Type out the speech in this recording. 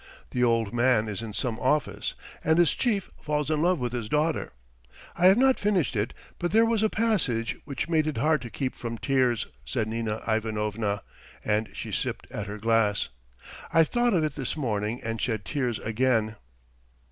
The old man is in some office and his chief falls in love with his daughter. I have not finished it, but there was a passage which made it hard to keep from tears," said Nina Ivanovna and she sipped at her glass. "I thought of it this morning and shed tears again."